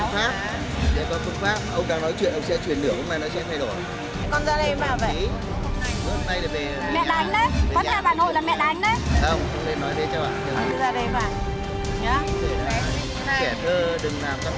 đấy có phương pháp ông đang nói chuyện ông sẽ chuyển điểm hôm nay nói chuyện thay đổi